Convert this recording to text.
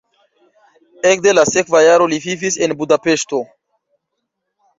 Ekde la sekva jaro li vivis en Budapeŝto.